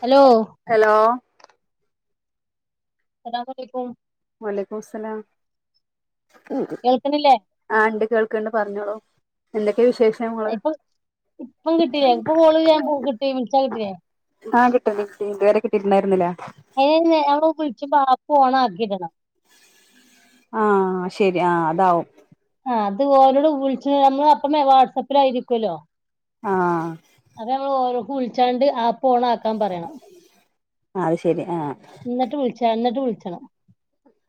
Hello hello അസ്സലാമു അലൈക്കും വലൈകുമുസ്സലാം കേൾക്കണില്ലേ ആണ്ട് കേൾ ണ്ട് പറഞ്ഞോള്ളു എന്തൊക്കെയാ വിശേഷങ്ങള് ഇപ്പൊ ഇപ്പം കിട്ടില്ലേ ഇപ്പൊ കോള് ചെയ്യാൻ പോ- കിട്ടി വിളിച്ചാ കിട്ടില്ലേ [unintelligible] ഇരുന്നായിരുന്നില്ല [inaudible] ആ ശരി ആ അതാവും ആ അത് ഓരോട് വിളിച്ച അന്ന് അപ്പേ വാട്സാപ്പിൽ ആയിരിക്കുല്ലോ ആ അപ്പ നമ്മള് ഓനാക്കും വിളിച്ചാണ്ട് ആപ്പ് ഓൺ ആക്കു പറയണം അത് ശരി ആഹ് എന്നിട്ട് വിളിച്ച എന്നിട്ട് വിളിച്ചണം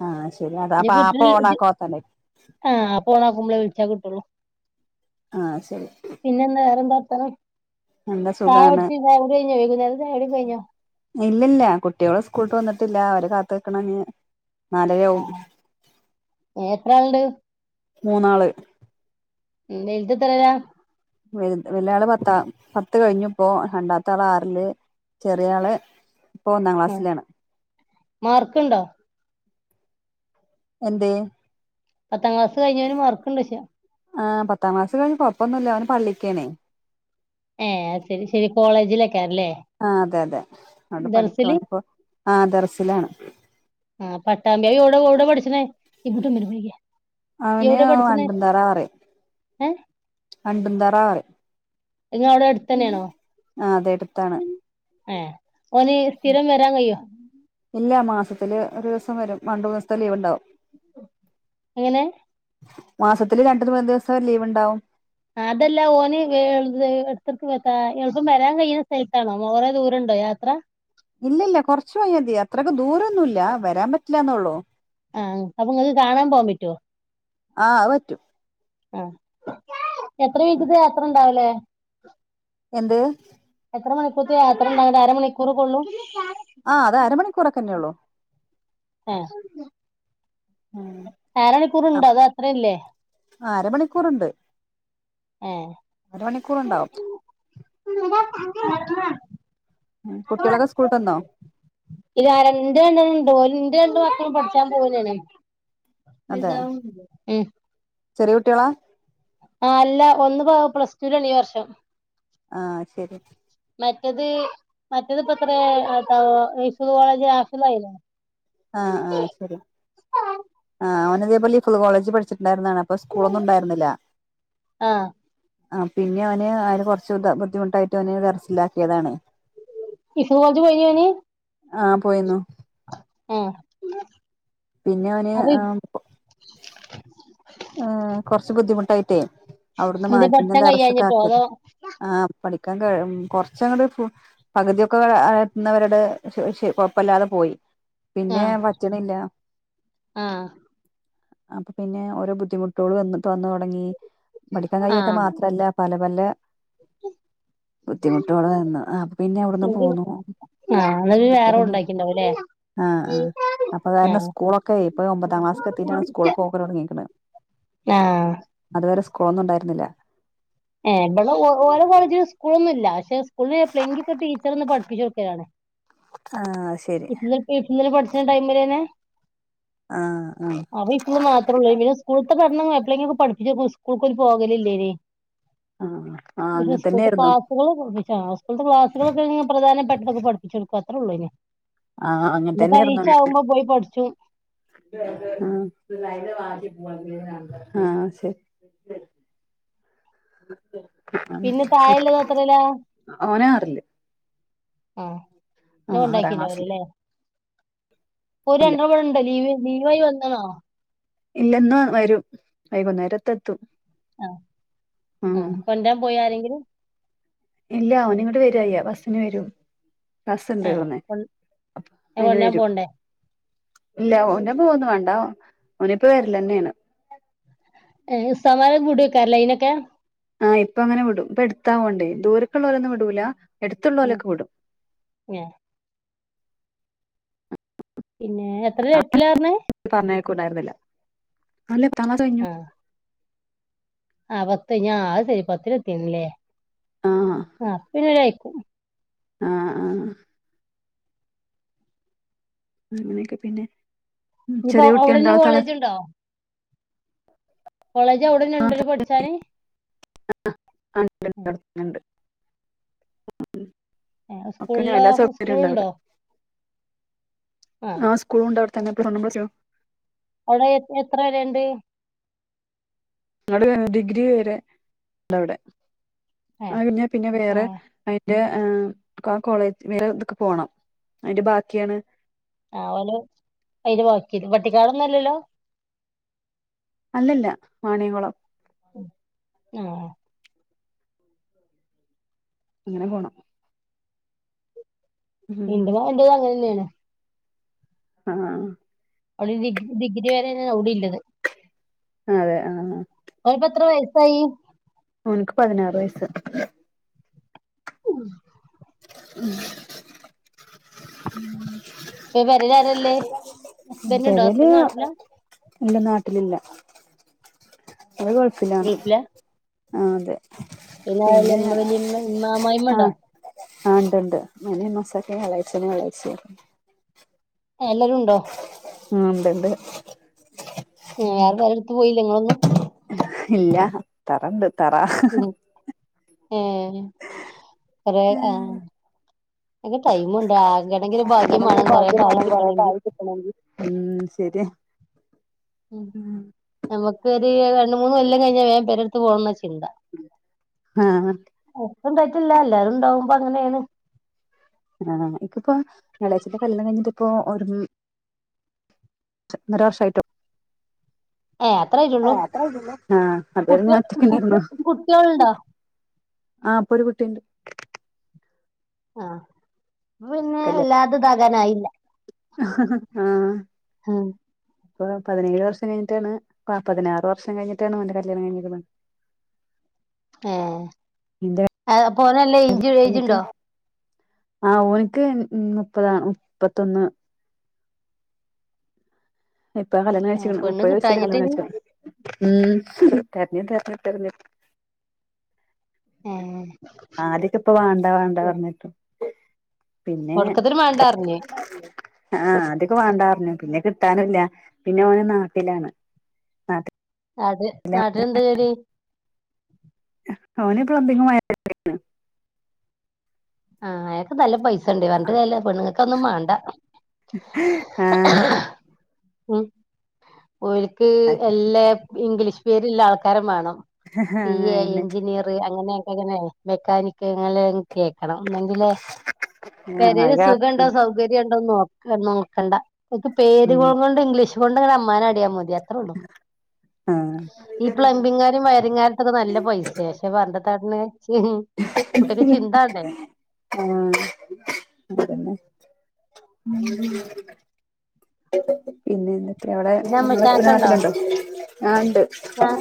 ആഹ് ശരി അത അപ്പൊ ആപ്പ് [unintelligible] ഓണാക്കാത്തല്ലേ നമ്മള് വിളിച്ചാൽ കിട്ടുള്ളൂ ആ ശെരി പിന്നെന്താ വേറെന്താ ചായ കുട്ച്ചോ ചായ കുടി കയ്ഞ്ഞോ വൈകുന്നേരം ചായ കുടിക്കെ കയ്ഞ്ഞോ ഇല്ലില്ല കുട്ടികള് സ്കൂൾട്ട് വന്ന്ട്ടില്ല അവരെ കാത്ത് നിക്കണഞ്ഞ് ആ എത്രാള്ണ്ട് മൂന്നാള് ഏ വെൽതെത്രേലാ വൽ വലിയാള് പത്താ പത്ത് കഴിഞ്ഞുപ്പോ രണ്ടാത്താളാറില് ചെറിയ ആള് ഇപ്പൊ ഒന്നാം ക്ലാസ്സിലാണ് മാർക്ക്ണ്ടോ എന്തേ പത്താം ക്ലാസ് കഴിഞ്ഞവന് മാർക്ക്ണ്ടോയ്ച്ച ആ പത്താം ക്ലാസ് കഴിഞ്ഞ് കൊഴപ്പൊന്നുല്ല അവന് പള്ളിക്കേണേ ഏ അത് ശെരി ശെരി കോളേജിലെ ആ അതെ അതെ അവിടെ പഠിക്കും ദറ്സില് ഓനിപ്പോ ആ ദർസിലാണ് ആ പട്ടാമ്പിയ ഒവ്ടെ ഒവ്ടെ പഠിച് [unintelligible] അവന് വണ്ടുംതറാറിം ഏ വണ്ടുംതാറാറിം ത് ങ്ങളെ അവ്ടെ അട്ത്തന്നേണോ എടുത്താണ് ഏ ഓന് സ്ഥിരം വരാൻ കഴിയോ ഇല്ല മാസത്തില് ഒരുസം വരും രണ്ട് മൂന്ന് ദിവസത്തെ ലീവ്ണ്ടാവും എങ്ങനെ മാസത്തില് രണ്ടു മൂന്ന് ദിവസം ലീവ്ണ്ടാവും അതെല്ലാ ഓന് എ എ എട്ക്കെട്ക് വ ത എൾപ്പം വരാൻ കയ്യ്ണ സ്ഥലത്താണോ കൊറേ ദൂര ണ്ടോ യാത്ര ഇല്ലില്ല കൊറച്ചു പോയാ മതി അത്രയ്ക്ക്‌ ദൂരൊന്നുല്ല വരാൻ പറ്റില്ലാന്നാെള്ളു ആ അപ്പം നിങ്ങക്ക് കാണാൻ പോവാൻ പറ്റാേ ആ അത് പറ്റും ആ എത്ര മിൻറ്റ്ത്തെ യാത്ര ണ്ടാവുല്ലേ എന്ത് എത്ര മണിക്കൂർത്തെ യാത്രണ്ടങ്ങട്ട് അരമണിക്കൂറൊക്കൊള്ളൂ ആ അതെ അരമണിക്കൂറൊക്കെന്നെള്ളു ഏ ആ അര മണിക്കൂറ്ണ്ടോ അതോ അത്രേം ഇല്ലേ ആ അരമണിക്കൂറ്ണ്ട് അരമണിക്കൂറ്ണ്ടാവും ഉം. കുട്ടികളൊക്കെ [unintelligible] സ്കൂളിട്ട് വന്നോ ഇത് ആര ന്താണ് ഡോലിന്റെ കണ്ട് മാത്രം പഠിച്ചാൻ [unintelligible] അതെ വലുതാവമ്പം ഉം ചെറിയ കുട്ടികളാ ആ അല്ല ഒന്ന് പാ പ്ലസ് ടൂവിലാണ് ഈ വർഷം ആ ശെരി മറ്റേത് മറ്റേത് ഇപ്പം എത്രിലേട്ടാ ഹിഫ്ള് കോളേജ് ഹാഫിളായിണ് ആ ആ ശെരി ആ ഓന് ഇതേപോലെ ഇഫ്ള് കോളേജ് പട്ച്ച് ണ്ടായിര്ന്നാണ് അപ്പൊ സ്കൂളൊന്നുംണ്ടായിര്ന്നില്ല ആ ആ പിന്നെ അവന് അവന് കൊർച്ച് ത ബുദ്ധിമുട്ടായിട്ട് ഓനെ ദർസിലാക്കിയതാണ് ഹിഫ്ള് കോളേജ് പോയീനിയോ ഓന് ആ പോയിന്നു ആ പിന്നെ അവന് അപ്പൊ ആ ഉം കൊർച്ച് ബുദ്ധിമുട്ടായിട്ടേ അവ്ട്ന്ന് എന്തേ മാറ്റി ന്നെ പഠിച്ചാൻ കഴിയാഞ്ഞിട്ടോ ദർസ്ക്കാക്കി അതോ ആ പഠി ക്കാൻ കഴ് കൊർച്ചങ്ങട്ട് പകുതിയൊക്കെ ആ എത്ത്ന്നവര്ടെ കൊഴപ്പല്ലാതെ പോയി പിന്നെ പറ്റ്ണില്ല ആഹ് അപ്പം പിന്നെ ഓരോ ബുദ്ധിമുട്ടുകള് വന്ന് വന്നു തുടങ്ങി പഠിക്കാൻ ആ ആ കഴിയാത്ത മാത്രവല്ല പല പല ബുദ്ധിമുട്ടോള് വന്ന് ആഹ് അപ്പൊ പിന്നെ അവിടന്ന് പോന്നു അന്നൊക്കെ എന്നിട്ട് വേറെ പിന്നെ ഉണ്ടാക്കിണ്ടാവുംല്ലേ ആഹ് ആഹ് അപ്പൊ അത് കാരണം സ്കൂളൊക്കെ ഇപ്പൊ ഒമ്പതാം ക്ലാസ്ക്ക്‌ എത്തിയിട്ടാണ് സ്കൂള് ആ പോകല് തുടങ്ങിയേക്കണെ ആ അതുവരെ സ്കൂളൊന്നും ഉണ്ടായിരുന്നില്ല ഏഹ് ഇവിടെ ഓ ഓരോ കോളേജിലും സ്കൂള് ഒന്നുമില്ല പക്ഷെ സ്കൂളിലെ [unintelligible] പഠിപ്പിച്ചത് ഒന്ന് പഠിപ്പിച്ച് നോക്കിയതാണ് ആഹ് ശരി ഇന്ന് ഇപ്പം ഇങ്ങനെ പഠിച്ച ടൈമില് തന്നെ ആഹ് ആഹ് അപ്പോ ഇപ്പോ മാത്ര ഉള്ളൂ ഇവനെ സ്കൂളിത്തെ കാരണം അത്രെയെങ്കി പഠിപ്പിച്ച സ്കൂൾക്ക്‌ ഒര് പോകലില്ലേനി ആഹ് [unintelligible] ആഹ് അങ്ങനെ സ്കൂള്ത്തെ തന്നെയായിരുന്നു ക്ലാസുകളൊക്കെ ഇങ്ങനെ പ്രധാനപ്പെട്ടതൊക്കെ പഠിപ്പിച്ചോടുക്കും അത്ര ഉള്ളൂ അയിന് ആഹ് അങ്ങനത്തന്നെയായിരുന്നു പോയി പഠിച്ചും ആഹ് ആഹ് ശരി പിന്നെ താഴെള്ളത് എത്രേലാ ഓൻ ആറില് ആഹ് ഇന്നെ ആഹ് ഒരാ ക്ലാസില് കൊണ്ടാക്കിണ്ടാവൂലല്ലേ ഓര് രണ്ടും ഇവിടുണ്ട് ലീവ് ലീവായി വന്നാണോ ഇല്ലിന്ന് വരും വൈകുന്നേരത്ത് എത്തും ആഹ് ആ ഉം കൊണ്ടരാൻ പോയി ആരെങ്കിലും ഇല്ല ഓനിങ്ങോട്ട് വരും അയ്യ ബസിന് വരും കസ്ണ്ട് ഏഹ് പറന്നെ കൊ അപ്പ അയിന് കൊണ്ടരാൻ വരും പോണ്ടേ ഇല്ല ഓനെ പോ പോന്നു വേണ്ട ഓനിപ്പോ വരിലന്നെയാണ് ഏ സമാരം കൂടി വെക്കാറില്ല ഇനൊക്കെ ആഹ് ഇപ്പ അങ്ങനെ വിട ഇപ്പ എടുത്താവോണ്ട ദൂരക്കെയുള്ളവഓരൊന്നും വിടൂല എടുത്തുള്ള ഉം പോലൊക്കെ വിടും ഏ പിന്നെ എത്ര ലട്ടിലഞ്ഞേ ണ്ടായിരുന്നില്ല അല്ല തണ കഴിഞ്ഞു ആ ആ പത്ത് ഞാൻ ആ ശരി പത്തി എത്തിനല്ലേ ആഹ പിന്നെരയക്കും ആഹ ആഹ അങ്ങനെയൊക്കെ പിന്നെ ഇനിയിപ്പോ ചെറിയ കുട്ടി അവിടെന്നെ ഉണ്ടാള താള കോളേജ് ഉണ്ടോ കോളേജ് എവിടെണ്ടല്ലോ പഠിച്ചാന് ണ്ട് ഒക്കെ ഇനി സ്കൂളിലോ എല്ലാ സ്കൂളുണ്ടോ ആ ആഹ സ്കൂള ഉണ്ട് അടുത്തന്നെോ അവിടെ എ എത്ര രണ്ട് ഞങ്ങടെ ഡിഗ്രി വരെ ഉണ്ടവിടെ ഏ അ പിന്നെ ആ വേറെ അതിറെ ആഏ കോളേജ് വറെ ഇതൊക്കെ പോണം അതിന്റെ ബാക്കിയാണ് ആ അവല അത് ബാക്കിയത് പട്ടിക്കാടൊന്നുംല്ലല്ലോ അല്ലല്ല മാാണിയംകുളം ഉ ആഹ അങ്ങനെ പോണം ഉം ഇണ്ട ഉം വ വണ്ട അങ്ങന്നെയാണ് ആഹ അവിടെ ഡിഗ്രി ഡിഗ്രി വരെ അവിട ഇല്ലത് അ അതെ ആഹ ഒരു പത്രം വയസായി അവനക്ക് പതിനാറ്ു വയസ ഉഹ ഇപ്പൊ പെരേല് ആരല്ലേ ഉം ഹസ്ബൻഡ് ഉണ്ടോ വരല് ഹസ്ബൻഡ് നാട്ടിലാ എല്ല നാട്ടിലില്ല അത് ഗൾഫിലാണ് ഗൾഫിലാ ആ അതെ പിന്നെ വല്യമ്മ വല്യമ്മ അമ്മായിമ്മ ആഹ ഉണ്ടോ ആ ഉണ്ട് മന മസൊക്കെ വെളാ്നെ വെള്ളാഴ്ച ആ എല്ലാരും ഉണ്ടോ ആ ഉണ്ട്ണ്ട് വേറെ വേറെ എടുത്ത് പോയില്ല നിങ്ങളൊന്നും ഇല്ല തറണ്ട് തറ ആ അ ആഹ എക്ക തൈമണ്ടക ണെങ്കിൽ ഒരു ഭാഗ്യം അതന്നെ വേണം കുറേണ്ട ഭാഗ്യം ആയി വേണം കിട്ടണമെങ്കിൽ കൊറേണ്ടായി കിട്ടണെങ്കി ഉം ശരിയാ ഉം നമുക്ക്ൊരു രണ്ട മൂന്ന് കൊല്ലം കഴിഞ്ഞാ വേൻ പരെടുത്ത് പോകണംന്ന് വെച്ചിണ്ട് ആഹ ഇണ്ടായിറ്റില്ല എല്ലാരും ഉണ്ടാവുമ്പ അങ്ങനെയാണ് ആഹ ഇപ്പിപ്പ ഞായാഴ്ചന്റെ കല്ണം കഴിഞ്ഞിട്ട് ഇപ്പോ ഒരു നിരാവഷായിട്ടോ ഏഹ് അത്ര ആയിട്ടുള്ളൂ ആഹ കുട്ടിക അതത്തക്കണ്ടിുന്നോ കുട്ടികളുണ്ടോ ആഹ അപ്പൊ ഒരു കുട്ടിയുണ്ട് ആഹ പിന്നെ കല്യാണം വല്ലാത ഇതാകാനായില്ല ആ ഇപ്പൊ പതിനേഴ് വർഷം കഴിഞ്ഞിട്ടാണ് പതിനാറ് വർഷം കഴിട്ടാണ് ഓന്റെ കല്യാണം കഴഞ്ഞിക്ണത്. [unintelligible] ഏ അപ്പോ ഓന് നല്ല കഴിഞ്ഞിട്ട് ഐജുണ്ടോ? ആ ഓന്ക്ക് മുപ്പതാണ് മുപ്പത്തൊന്ന്. ഇപ്പകല്യാണം ഏഹ് കയിച്ച പെണ്ണ് മുപ്പത് വയസ്സില് കിട്ടാഞ്ഞിട്ട് കല്യാണകയിച്ചേ ഉം തെരഞ്ഞെ് തെരഞ്ഞ്. ഏഹ് ആദ്യൊക്കെ ഇപ്പ വേണ്ടാ വേണ്ടാ പറഞ്ഞിട്ട് പിന്നെ ഒടുക്കത്തിന് വേണ്ടാറിഞ്ഞ് ആഹ അതൊക്കെ വേണ്ടാ പറഞ്ഞു പിന്നെ കിട്ടാനില്ല പിന്നെ ഓന് നാട്ടിലാണ്. നാട്ടില അത്‌നാട്ടിൽഎന്താ ജോലി? ഓന് പബ്ലിങ്ങും വയറിങ്ങാണ്. ആഹ് അയ്നൊക്കെ നല്ല പൈ ണ്ടി പറഞ്ഞിട്ട് കാര്യല്ല പെണ്ണുങ്ങക്ക അതൊഒന്നും വാണ്ട. ആഹ് ഉം ഓര്ക്ക്എല്ലാ ഇംഗ്ലീഷ് പേര്ള്ള ആൾക്കാരെ മാണം. സി എ അന്നെ എഞ്ചിനിയർ അങ്ങനെയക്കെ അങ്ങനെ മെക്കാനിക് അങ്ങനെക്കെയ ന്നങ്കിലേ ആഹ് അത് പരീല് സുഖ ഉണ്ടോ കാരണം സൗകര്യം ഉണ്ടോന്ന് നോ നോക്കണ്ട ഓക്ക് ഉം പേരുകൊണ്ട് ഇംഗ്ലീഷ് കൊണ്ട് അങ്ങനെ അമ്മാ നാടിയാൽമതി അത്രേ ഉള്ളൂ. ആഹ് ഈ പ്ലംബിംഗകാരും വയറിങ്ങകാരത്തൊക്കെ നല്ല പൈസയ പക്ഷെ പറഞ്ഞ ട്ടന്താ കാട്ട്ണ്. മഹ ഹാ കുട്ട്യാക്ക്ചിന്ത മാ ണ്ടേ? ഹേ ഉം ഇ അവിടെ പിന്നെ നപ്പ അമ്മോശാക്കണ്ടോ നാട്ടിലു [inaudible] ണ്ടോ ആ ഉണ്ട് ആഹ്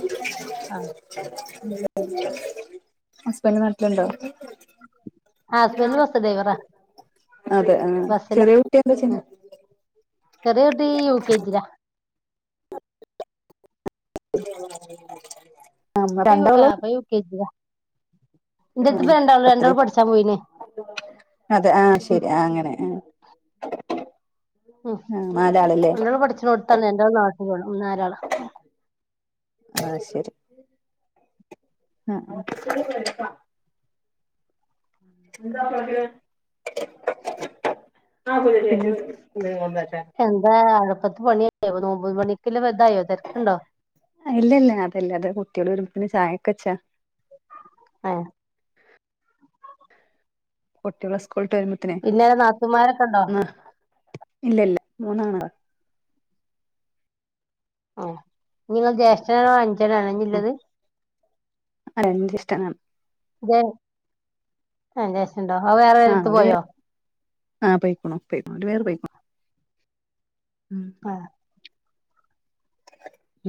ആഹ് ഹസ്ബന്റ്നാട്ടിലുണ്ടോ? ആ ഹസ്ബൻഡ് ബസ്സ്ഡൈവറാ - - അതെ ആ ചെറിയ കുട്ടിയ എന്താ ചെയ. ചെറിയട്ടീ യു, കെ, ജി, ലാ ആ രണ്ടോള കേജുക [unintelligible] പത്തില് ഇൻജെട്ത്ത്പ്പൊരണ്ടാള്‌രണ്ടാള് പഠിച്ചാ പോയിേ നേ അതെ ആ ശരി ആ അങ്ങനെ ആ ഉം ആ നാലാളല്ലേ രണ്ടാള് പഠിച് ണോ ട്ത്താണ്ട് രണ്ടാള്നാട്ടിലാണ്. മൂന്നാലാള് ആ ശരി ആ ആ എന്താ പറക്ക [unintelligible] ആ കുട്ട [unintelligible] എന്താ അട് പത്ത് പണില്ലേ നോമ്പ് പണിണി. ഇല്ല ഇല്ല അതല്ല അതെ കുട്ടിയോള്വരുമ്പോക് ചായക് വെച്ചാ ഹേ കുട്ടികൾ സ്കൂള്ട്ട് വരുമ്പോള്ത്തിനെ പിന്നെ നാത്തുമാരൊക്കെ ഉണ്ടോ ന്ന് ഇല്ല ഇല്ല മൂന്നാളാ ആ അങ്ങക്ക് ജ്യേഷ്ഠനാണോ അൻ ഞ്ചനാണോ ഇഞ്ഞ് ള്ളത്. ആ രണ്ട് ഷടനാണ്. ആ ജേഷ്ടണ്ടോ അത്ആ വേറെ ആ രെടുത്ത് അവര് പോയോ? ആ പയിക്കണ് പയിക്കണ് ഓര് വേറെപയിക്ണോ. [unintelligible] ആ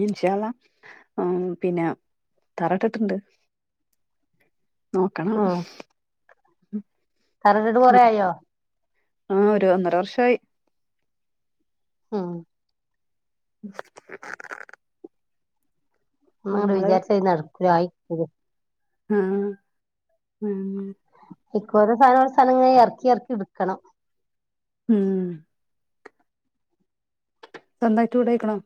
ഇൻഷാഅള്ളാ ആ പിന്നെ തറ ഇട്ടിട്ട്ണ്ട്ആ - - നോക്കണം ഉം തറട്ടിട്ട് കൊറെ ആയോ? ആ ഒരു ഒന്നര വർഷായി. ആ നിട് നിങ്ങള് വിചാരിച്ച നടക്കല ആയിക്ക ഹം ഉം ഇക്കര സാധന സാധനങ്ങൾ ഇറക്കി ഇറക്കി എടുക്കണം ഉം നന്തായിട്ട് വിവിടക്കണോ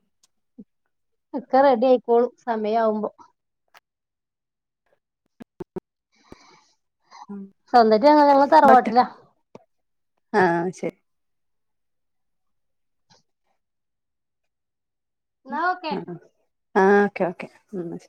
അക്ക റെഡി ആയിക്കോളു സമയം ആവുമ്പോ സ്വന്തട്ട അങ്ങ ഞങ്ങ തറവോട്ടില്ല ഒറ്റക്ക് ആ ശരി എന്നാ ഓക്കെ ആ ആ ഓക്കെ ഓക്കെ എന്ന